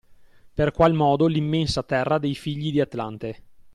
Per qual modo l’immensa terra dei figli di Atlante